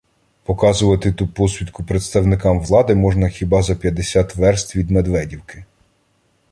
Показувати ту посвідку представникам влади можна хіба за п'ятдесят верст відМедведівки.